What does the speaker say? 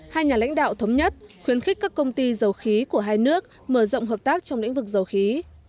hai nhà lãnh đạo thống nhất khuyến khích các công ty dầu khí của hai nước mở rộng hợp tác trong lĩnh vực dầu khí